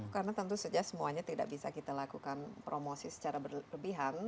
karena tentu saja semuanya tidak bisa kita lakukan promosi secara berlebihan